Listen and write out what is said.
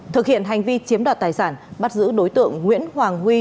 thực hiện hành vi chiếm đoạt tài sản bắt giữ đối tượng nguyễn hoàng huy